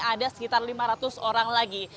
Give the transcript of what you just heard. ada sekitar lima ratus orang lagi